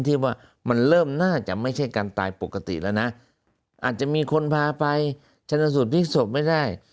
ที่ว่ามันเริ่มน่าจะไม่ใช่การตายปกติแล้วนะอาจจะมีคนพาไปชนะสูตรพลิกศพไม่ได้